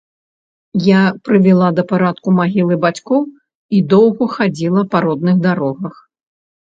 Я прывяла да парадку магілы бацькоў і доўга хадзіла па родных дарогах.